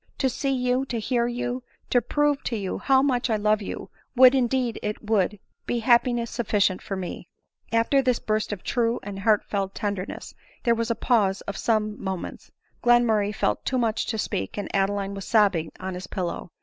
To see you, to hear you, to prove to you how much I love you, would, indeed it would, be happi ness sufficient for me !" After this burst of true and heartfelt tenderness, there was a pause of some mo ments ; Glenmurray felt too much to speak, and Adeline was sobbing on his pillow.